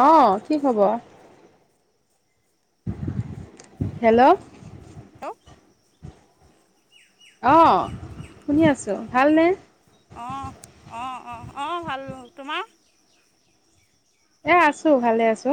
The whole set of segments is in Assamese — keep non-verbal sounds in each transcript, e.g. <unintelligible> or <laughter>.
অহ কি খবৰ? হেল্ল'! হেল্ল' অহ শুনি আছো। ভালনে? অ, অ, অ, অ, ভাল ভাল। তোমাৰ? এ আছো ভালে আছো।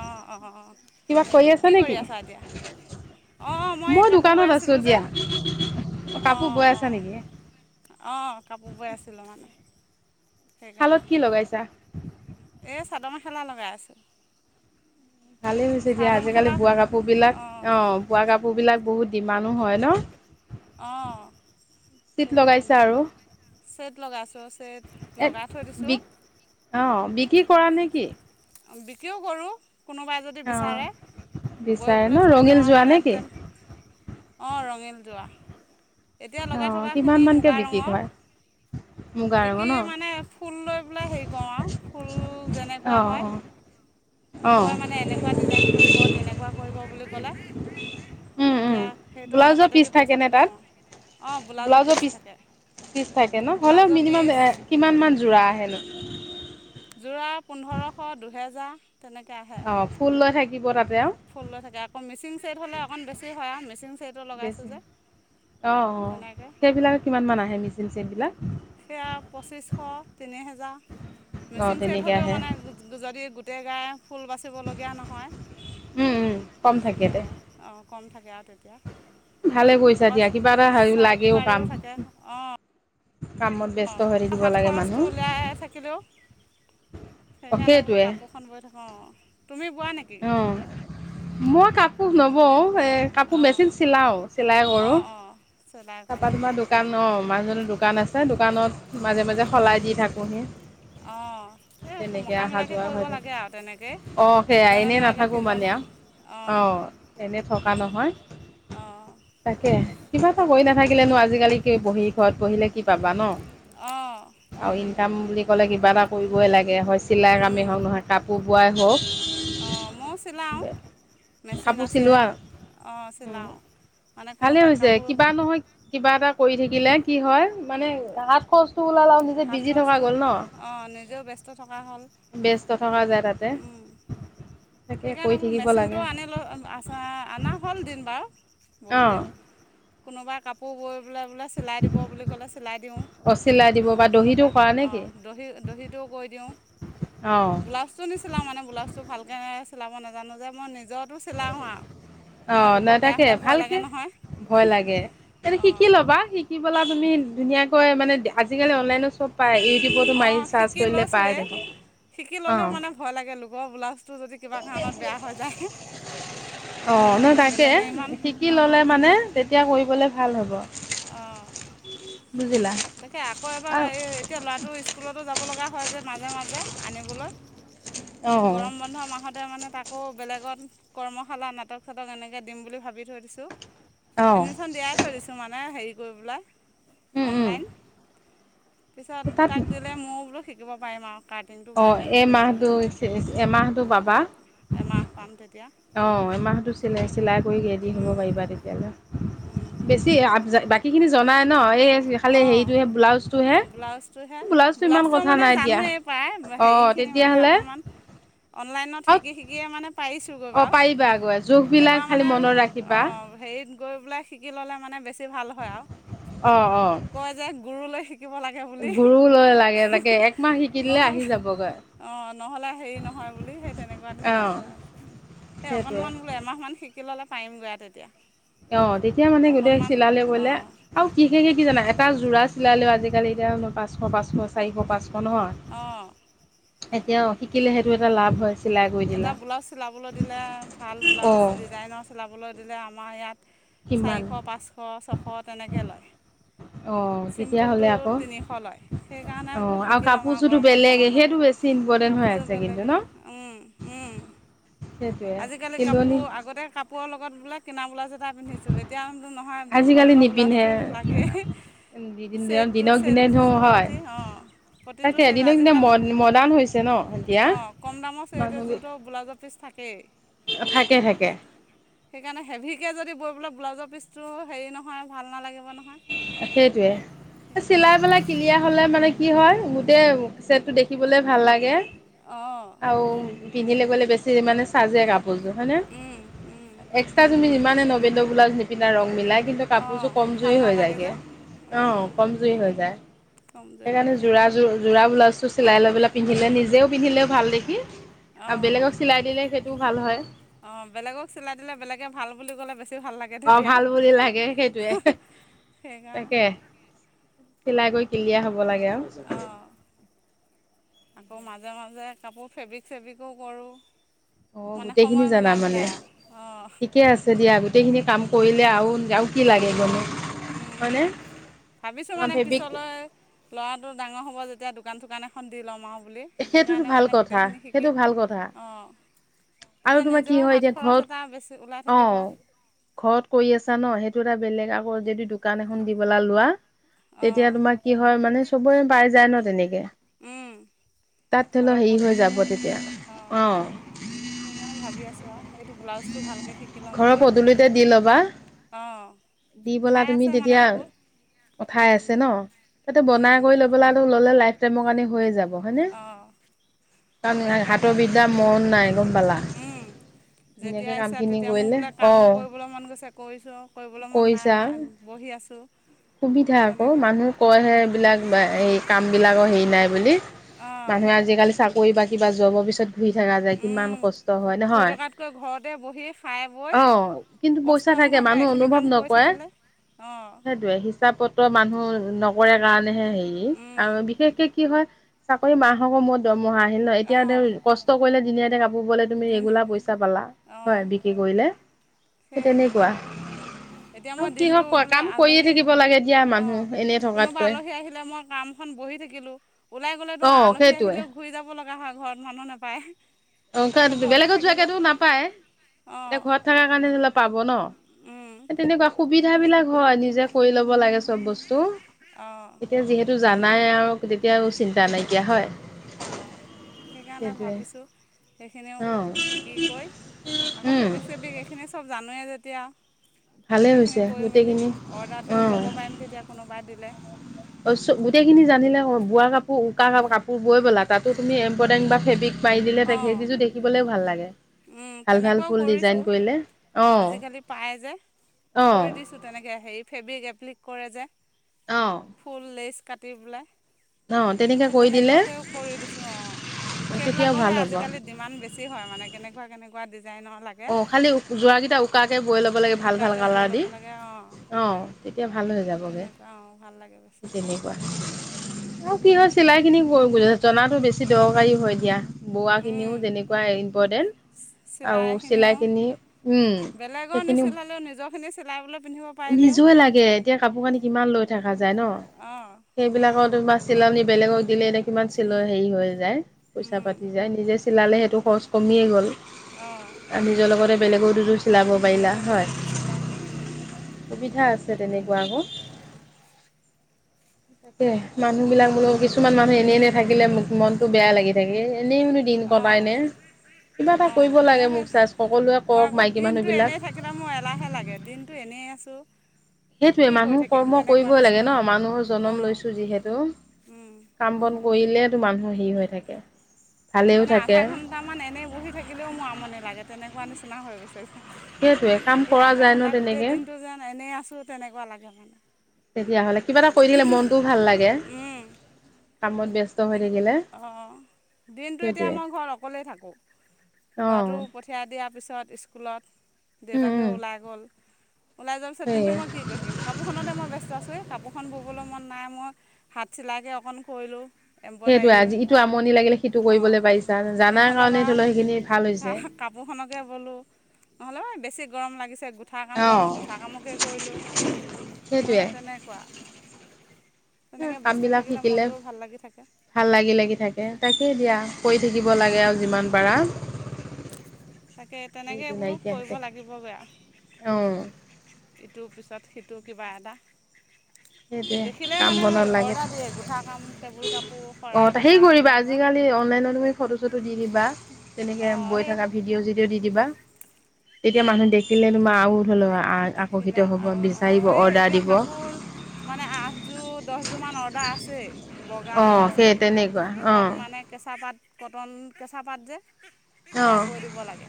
অঁ অঁ অঁ কি কৰি আছা এতিয়া? অঁ মই কাপোৰ বৈ দোকানত আছোঁ আছিলোঁ যে দিয়া। অ কাপোৰ বৈ আছা অ নেকি? অ কাপোৰ বৈ আছিলোঁ মানে। শালত সেইকাৰণে কি লগাইছা? এ। চাদৰ মেখেলা লগাই আছোঁ। ভালেই হৈছে দিয়া চাদৰ আজিকালি মেখেলা বোৱা কাপোৰ বিলাক অঁ অ বোৱা কাপোৰ বিলাক বহুত ডিমাডো হয় ন। অ। চিট লগাইছা সেইকাৰণে আৰু চেট লগাইছোঁ ছেট এ লগাই থৈ বি দিছো। অঁ বিক্ৰী কৰা নেকি? বিক্ৰীও কৰোঁ। কোনোবাই যদি অঁ বিচাৰে বৈ বিচাৰে ন বলে থৈ দিওঁ ৰঙিল আৰু যোৰা মানে নেকি? তেন। অ ৰঙীন যোৱা। এতিয়া লগাই অঁ কিমান থকাখিনি মানকে মুগা বিক্ৰী ৰঙৰ কৰা? মুগা ৰঙৰ বিকি ন? মানে ফুল লৈ পেলাই হেৰি কৰো আৰু ফুল যেনেকুৱা অঁ হয় অঁ অঁ কয় মানে এনেকুৱা ডিজাইন কৰিব তেনেকুৱা কৰিব বুলি। কেলে। উম, উম, তেতিয়া সেইটো ব্লাউজৰ পিচ অনুপাতেদি থাকে পইচাটো নে তাত? লওঁ। ব্লাউজৰ পিচ পিচ থাকে ন হ'লেও ব্লাউজৰ মিনিমাম পিচ কিমান মান যোৰা আহে ন। যোৰা পোন্ধৰশ দুহেজাৰ। তেনেকৈ আহে অ ফুল লৈ থাকে। দিব। ফুল লৈ থাকে আকৌ মচিং ছেদ হলে অকন বেছি হয় আৰু মে। এইটো লগা ইছ বেছি যে অ', অ'। এনেকে সেইবিলাক কিমান মান আহে মেচিন চেটবিলাক? হেয়া পচিশ তিনিহেজাৰ অ', মিচিং ছেট তেনেকে হলে উ আহে। মানে যদি। গোটে গাই ফুল বাচিবলগীয়া নহয়। উম উম কম থাকে দে। অঁ অঁ কম থাকে আৰু তেতিয়া ভালে কৰিছা আকৌ দিয়া কিবা এটা হ ছাইড লাগেও পাৰিও কাম থাকে কামত ব্যস্ত অঁ হৈ থাকিব হাত লাগে খৰচটো মানুহ। উওলিয়াই থাকিলেও অ', সেইকাৰণে বোলো সেইটোৱে কাপোৰখন বৈ থাকোঁ অঁ তুমি বোৱা নেকি অ মই কাপোৰ নব গ এ কাপোৰ অঁ মেচিন চিলাও চিলাই কৰো অঁ অঁ চিলাই কৰা তাপা তোমাৰ দোকান অম আমাৰজনো দোকান আছে দোকানত মাজে মাজে সলাই দি থাকোঁহি অঁ এই তেনেকে অহা মোকামিলাকৈ যোৱা কৰিব হয় থাক লাগে আৰু তেনেকৈ অ সেয়া ইজনে এনে নোৱাৰিলে নাথাকো মানে সিজনে আৰু অ অঁ এনে থকা নহয় অঁ তাকে কিমান একো কৰি নাথাকিলে নো আজিকালি কি বহি ঘৰত বঢহিলে কি পাবা ন অঁ আৰু ইনকাম বুলি কলে কিবা এটা কৰিবই লাগে হয় চিলাই আমি হওক নহয় কাপোৰ বোৱাই হওক অঁ ময় চিলাওঁ মেচিন কাপোৰ আছে চিলোৱা অঁ চিলাওঁ মানে ভালে কোনোবাই হৈছে কাপোৰ কিবা নহয় কিবা এটা কৰি থাকিলে কি হয় মানে হাত খচ চোওলালাও নিজে হাত বিজি থকা খৰচটো গ'ল ন অঁ নিজেও ব্যস্ত থকা ব্যস্ত থকা যায় তাত <unintelligible> সেইকাৰণে বোলো থাকিব লাগে মেচিনটো আনি লো আ অনা হ'ল দিন বাৰু বহুত অঁ দিন কোনোবাই কাপোৰ বৈ বোলে বোলে চিলাই দিব বুলি ক'লে চিলাই দিওঁ, অঁ চিলাই দিব বা নহ'লে দহিটো কোনোবাই কৰা অঁ নেকি দহি দহিটোও বৈ দিওঁ। অঁ ব্লাউজ চিলাও মানে ব্লাউজ টো ভালকে চিলাব নাজানোঁ যে মই নিজে অ বেয়া নয়তাকে হ'লে ভয় লাগে ভালকে নহয় ভয় লাগে। তেনে শিকি অঁ ল'বা শিকি বলা তুমি ধুনীয়াকে কয় মানে আজি-কালি অনলাইনত চব পায় ই অ শিকি লৈছোঁৱে, শিকি ল'লেও অঁ মানে ভয় লাগে লোক ব ব্লাউজ অঁ ন সেইকাৰণে তাকে বেলেগে ইমান শিকি ল'লে অঁ মানে তেতিয়া কৰিবলে ভাল হ'ব। অঁ বুজিলা তাকে আকৌ এবাৰ আৰু এই এতিয়া ল'ৰাটো স্কুলতো যাব। ব লগা হয় যে মাজে মাজে আনিবলৈ। অঁ এই গৰমবন্ধ মাহতে মানে তাক আকৌ বেলেগত কৰ্মশালা নাটক-চাটক এনেকে দিম বুলি ভাবি থৈ দিছোঁ। অঁ এডমিশ্যন দিয়াই থৈ দিছোঁ মানে হেৰি গৈ ওলাই <unintelligible> উম উম অনলাইন। পিছত তাক দিলে মোৰ বোলো শিকিব পাৰিম আওঁ অ এমাহটো হৈছে এমাহটো পাবা। এমাহ পাম তেতিয়া অঁ এমাহতো চিলায় চিলাই। কৈ ৰেডি হ'ব উম, পাৰিবা তেতিয়া হ'লে, উম, বেছি আগ বাকিখিনি জনাই নহয় অঁ ব্লাউজটোহে, ইমান ব্লাউজটো কথা মানে নাই দিয়া জানোৱেই প্ৰায় অ হেৰিখিনি মানে তেতিয়াহ'লে অকণমান অনলাইনত অ শিকি শিকিয়ে মানে পাৰিছোঁগৈ অ বাৰু পাৰিবা গৈ জোখ এবাৰ বিলাক মানে খালি মনত ৰাখিবা। অঁ হেৰিত গৈ বোলাই শিকি ল'লে মানে বেছি ভাল হয় আঅ অ অ কয় যে গুৰু লৈ শিকিব লাগে বুলি গুৰু লৈ লাগে লাগে একমাহ শিকি দিলে আহি নহলে যাবগৈ অ নহ'লে হেৰি নহয় বুলি সেই তেনেকুৱা অ নিচিনা হয়। এই সেইটোৱে অকনমান বোলে এমাহমান শিকি শিকি ল'লে পাৰিমগৈ তেতিয়া অ তেতিয়া মানে গোটেই অকণমান চিলালে বোলে অঁ আৰু কিহেৰে কি জানা এটা যোৰা চিলালেও আজি-কালি এতিয়া পাঁচশ পাঁচশ চাৰিশ পাঁচশ নহয়, অঁ এতিয়াও এটা ব্লাউজ চিলাবলৈ দিলে, ভাল অ ব্লাউজ ডিজাইনৰ চিলাবলৈ যোনে আমাৰ ইয়াত কিমান চাৰিশ, পাঁচশ, ছশ তেনেকৈ লয়। অ চিম্পুলটো তেতিয়াহ'লে আকৌ তিনিশ লয়। সেইকাৰনে বোলো অ' শিকি লয় আৰু কাপোৰযোৰতো গৰম বন্ধ বেলেগ মাহতে। সেইটো বেছি ইম্পৰ্টেণ্ট হৈ কাপোৰযোৰ আছে বে কিন্তু ন সেইটোৱে চিলনি বিলাক কিনা বোলা এটা পিন্ধিছিলো এতিয়া নহয় ঘৰত আজিকালি বোৱা নিপিন্ধে ব্লাউজটো লাগেই। <unintelligible> ছেটটো দিনক দিনে ধ ছেটটো হয় প্ৰতি অঁ প্ৰতিটো তাকে ছেট দিনক দিনে ম আজিকালি। মডাৰ্ণ হৈছে ন এতিয়া অঁ কম দামৰ ছেট মানুহ এযোৰতো ব্লাউজত থাকে থাকে থাকে সেইকাৰণে হেভি কে যদি বৈ পেলাক ব্লাউজৰ পিচটো হেৰি নহয় ভাল নালাগিব নহয়। সেট- সেইকাৰণে চিলাই পেলাই কিলিয়া হলে মানে কি হয় গোটেই ছেট টো দেখিবলে ভাল লাগে। অঁ আৰু পিন্ধিলে গ'লে বেছি চাজে কাপোৰযোৰ হয়নে? উম উম এক্সট্ৰা তুমি যিমানে নবেদ ব্লাউজ নিপিন্ধা ৰং মিলাই কিন্তু অঁ কাপোৰযোৰ কম ভাল জুৰি হৈ যায়। নালাগে যে অ অঁ কমজুৰি হৈ যায়। কমজোৰ হৈ সেইকাৰণে যায় যোৰাযোৰ যোৰা ব্লাউজটো চিলাই লৈ পেলাই পিন্ধিলে নিজেও পিন্ধিলেও ভাল দেখি। আৰু অঁ বেলেগক চিলাই দিলে সেইটোও ভাল হয়। অঁ বেলেগক চিলাই দিলে বেলেগে ভাল বুলি ক'লে বেছি ভাল লাগে অ তেতিয়া ভাল বুলি লাগে সেইটোয়ে সেইকাৰণে তাকে চিলাই কৰি কি দিয়া হ'ব লাগে আৰু। অঁ আকৌ মাজে মাজে কাপোৰ ফেব্ৰিক চেব্ৰিকো কৰোঁ। অ মানে গোটেইখিনি সময় জানা মিলাই মানে মিলাই আৰু অঁ ঠিকে আছে দিয়া। গোটেইখিনি কাম কৰিলে আৰু আৰু কি লাগে মানে হয়নে। ভাবিছো অ মানে ফেব্ৰিক পিছলৈ ল'ৰাটো ডাঙৰ হ'ব যেতিয়া দোকান চোকান এখন দি ল'ম আৰু। বুলি সেইটোতো সেইকাৰণে ভাল মানে কথা। গোটেইখিনি শিকি সেইটো ভাল কথা অঁ আৰু তেতিয়া তোমাৰ নিজৰ কি হয় হাত এতিয়া খৰচ এটা বেছি ওলাই ঘৰত অ থাকিব ঘৰত কৰি আছা ন সেই- সেই টো এটা বেলেগ আকৌ যদি দোকান এখন দিবেলা লোৱা তেতিয়া তোমাৰ কি হয় মানে চবৰে পাই যায় ন তেনেকে। উম। তাত ধৰি লও ঘৰৰ হেৰি হৈ যাব পদূলিতে। তেতিয়া অঁ অ সেইকাৰণে ভাবি আছোঁ আও এইটো ব্লাউজটো ভালকৈ শিকি ল'ম ঘৰৰ বুলি। পদূলিতে দি ল'বা অঁ দি পেলা ঠাই তুমি আছে মানে তেতিয়া বহুত উ ঠাই আছে ন তাতে বনাই কৰি লৈ পলা ললে লাইফ মোৰ কাৰণে হৈ যাব। হয়নে অঁ হাতৰ সেইকাৰণে বিদাৰ মন নাই গম পালা যেতিয়া ধুনীয়াকে কাম ইচ্ছা খিনি তেতিয়া মোৰ কৰিলে বোলে অ। কাম কৰিবলৈ মন গৈছে কৰিছোঁ কৰিবলৈ নাই কৰিছা না বহি আছো। সুবিধা আকৌ মানুহ কয়হে সুবিধা এইবিলাক এই কাম বিলাকৰ হেৰি নাই বুলি। অঁ মানুহে আজিকালি। কৰি বা কিবা যোৱব পিছত। <unintelligible> ঘুই থকা যায় কিমান কষ্ট হয় ঘূৰি নহয় থকাতকৈ ঘৰতে বহি খাই বৈ অ কিন্তু কষ্ট পইচা থাকে নোহোৱাকৈ মানুহ এইখিনি অনুভৱ কাম কৰি নকৰে। থাকিলে অঁ ইছাপ পত্ৰ মানুহ নকৰে কাৰণেহে। <unintelligible> হেৰি আৰু বিশেষকে। কি হয় চাকৰি মাহেকৰ মূৰত দৰমহাঁ আহিল ন এতিয়া অঁ কষ্ট কৰিলে দিনীয়া এ। <unintelligible> তুমি ৰেগোলাৰ অঁ পইচা পালা অঁ হয় বিক্ৰী কৰিলে। <unintelligible> সেই সেইটোৱে তেনেকুৱা আৰু কিহ কোৱা কাম। <unintelligible> অ লাগে দিয়া মানুহ এনেই কোনোবা থকাতকৈ আলহী আহিলে মই কামখন বহি থাকিলো ওলাই গ'লেতো অ আলহী সেইটোৱে আহিলেও ঘূৰি যাব লগে। <unintelligible> ঘৰত মানুহ নাপায়। অ সেইকাৰণে ঘৰতে বেলেগত থাকিলোঁ যোৱাকেতো নাপায় এতিয়া অঁ ঘৰত থকা কাৰণেঅলপ। পাব ন উম তেনেকুৱা। সুবিধা বিলাক হয় নিজে কৰি ল। ব বস্তু অঁ এতিয়া যিহেতু। জানাই আৰু তেতিয়া আৰু চিন্তা নাইকিয়া হয়। অঁ সেইকাৰণে সেইটোৱে ভাবিছোঁ। সেইখিনিও অ শিকি কৰি আকৌ উম ফেব্ৰিক চেব্ৰিক এইখিনি চব। মানুহে যেতিয়া। ভালেই গোটেইখিনি হৈছে কৰি মেলি গোটেইখিনি অ অৰ্ডাৰটো ল'ব পাৰিম তেতিয়া কোনোবাই দিলে। অ গোটেই খিনি জানিলে বোৱা কাপোৰ উকা কাপোৰ বৈ বলা তাতো তুমি এম্ব্ৰইডাৰিং বা ফেব্ৰিক। পাৰি দিলে অঁ তেখেইকযো দেখিবলৈও ভাল লাগে ভাল ভাল তেনেকুৱাও ফুল ডিজাইন কৰিছোঁ কৰিলে অ আজিকালি পায় যে অ। কৰি দিছোঁ তেনেকৈ হেৰি ফেব্ৰিক এপ্লিক কৰে যোয়। অ ফুলছ। কাটি পেলাই। অ তেনেকৈ সেই কৰি দিলে তেনেকুৱাকেও কৰি দিছো অ সেইবিলাক। তেতিয়াও আহে ভাল হ'ব আজিকালি ডিমাণ্ড বেছি হয় মানে কেনেকৈ। <unintelligible> কেনেকুৱা দি। অঁ খালী যোৰাকৰাকেইটা উকাকে বৈ ল'ব লাগে ভাল ভাল উকাকৈ বৈ কালাৰ দি ল'ব লাগে অঁ অঁ তেতিয়া ভাল হৈ যাবগৈ তেনেকুৱা অঁ ভাল লাগে বেছিকৈ তেনেকুৱা। অ কি তেনেকুৱাকৈ হয় চিলাই খিনি কৰি বজ জনাতো <unintelligible> বেছি দৰকাৰী হয় দিয়া। বোৱাখিনিও কৰিছোঁ যেনেকুৱাই ইম্পৰ্টেণ্ট আৰু চিলাইখিনিও লাইকিনি উম সেইখিনিও। চিলাবলে। নিজৰ লাগে এতিয়া কাপোৰ -কানি কিমান লৈ থকা যায় ন অঁ সেইবিলাকৰ তোমাৰ ছিলনি বেলেগক দিলে দে কিমান চিলৰ হেৰি হৈ যায় পইচা পাতি যায় নিজে চি চিলালে সেইটো খৰচ কমিয়েই গ'ল। অঁ নিজৰ লগতে বেলেগৰ দুইযোৰ বেলেগৰ দুযোৰ চিলালো উম। সুবিধা আছে তেনেকোৱা আকৌ। তাকে মানুহ বিলাক বোলো কিছুমান মানুহ এনে এনে থাকিলে মোক মনটো বেয়া লাগি থাকে। এনেইনো দিন কটাই অঁ নে কিবা এটা কৰিব অঁ লাগে মোৰ মোক সেই চাৰজ সকলোৱে মই কওক আকৌ মাইকী দিনটো মানুহবিলাক। এনেই থাকিলে মোৰ এলাহে লাগে দিনটো এনেই আছোঁ কি সেইটোয়ে কৰি মানুহ থাকিম কৰ্ম তেনেকুৱা কৰিবই লাগে নিচিনা ন মানুহৰ জনম অঁ লৈছো যিহেতু কাম বন কৰিলেতো মানুহৰ হিৰ হৈ থাকে ভালেও মানে থাকে আধা ঘণ্ট মান এনেই বহি থাকিলেও মোৰ আমনি লাগে তেনেকোৱা নিচি না হৈ গৈছে। সেইটোৱে কাম এই কৰা আধা যায় ন ঘণ্টা গোটেই তেনেকে দিনটো যেন এনেই আছোঁ তেনেকুৱা লাগে মানে তেতিয়াহ'লে কিবা এটা কৰি থাকিলে মনটোও ভাল লাগে। কামত ব্যস্ত হৈ থাকিলে অ দিনটো এতিয়া সেইটোৱে মই ঘৰত অকলেই থাকো অঁ ল'ৰাটো পঠিয়াই দিয়াৰ পিছত স্কুল লত দেউতাকে ওলাই গ'ল ওলাই যোৱাৰ পিছত দিনটো সেয়ে মই কি কৰি থাকিম কাপোৰখনতে মই ব্যস্ত আছোহে এই কাপোৰ তাত এখন ব'বলৈ মন নাই মই হাত চিলাইকৈ অকণ কৰিলোঁ। সেইটোৱে এম্ব্ৰইডাৰী আজি ইটো আমনি লাগিলে সিটো অঁ কৰিবলৈ পাৰিছা জানাৰ নহ'লে বা কাৰনেতো এতিয়া সেইখিনি ভাল হৈছে। কাপোৰখনকে ব'লোঁ নহলে বা বেছি গৰম লাগিছে। গুঠা কাম অঁ জানো গুঠা কামকে কৰিলোঁ সেইটোৱে মানে তেনেকোৱা। তেনেকে ব্যস্ত কামবিলাক থাকিলে শিকিলে মনটোও ভাল লাগি থাকে। ভাল লাগি লাগি থাকে তাকে দিয়া কৰি থাকিব লাগে আৰু যিমান পাৰা। তাকে তেনেকে সেইটো বোলো নাইকিয়া কৰিব লাগিবগে আও। অ', ইটোৰ পিছত সিটো কিবা এটা। সেইটোৱে দেখিলে কাম মানে বন লাগে অৰ্ডাৰ দিয়ে গোঠা কাম টেবুল কাপোৰ অ শৰাই ঢকা সেই কৰিবা তেনেকুৱা আজিকালি অনলাইনত তুমি ফটো চটো দি দিবা তেনেকে অঁ বৈ সেই থকা ভিডিঅ' চিডি'অ দি দিবা তেতিয়া মানুহ অঁ দেখিলে তোমাৰ ন লাবা দেখিলে আকৰ্ষিত হ'ব আৰু বিচাৰিব অঁ এই অৰ্ডাৰ এতিয়া দিব। কাপোৰ <unintelligible> মানে আঠযোৰ দহযোৰমান অৰ্ডাৰ আছে। বগা বোৱা অ', সেই তেনেকুৱা অ', ছেত মানে কেঁচা পাত কটন কেঁচা পাত যে। সেয়া অ', বৈ দিব লাগে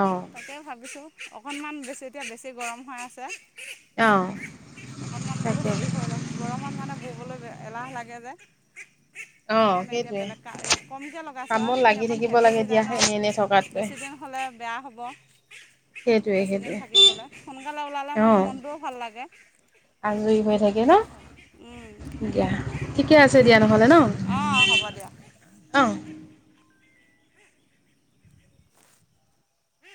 অ', তাকে ভাবিছো। অকণমান বে এতিয়া বেছি গৰম হৈ আছে। অ', অকনমান বোলো তাকে হেৰি হয় অলপ গৰমত মানে ববলৈ বেয়া। এলাহ লাগে যে। অ', সেইকাৰণে এতিয়া সেইটোৱে। বেলেগ কা কমকৈ লগাইছোঁ আৰু কামত সেইখিনি লাগি অকণ থাকিব হেভি লাগে দিয়া ডিজাইনৰ এনে এনে থকাতকৈ বেছিদিন হ'লে বেয়া হ'ব বেছিদিন সেইটোৱে বেছিদিন সেইটোৱে থা কি কলে সোনকালে ওলালে মানে অ'। মন টোও ভাল লাগে। যে আজৰি হৈ থাকে ন দিয়া ঠিকে আছে দিয়া নহ'লে অঁ হ'ব দিয়া ন অ।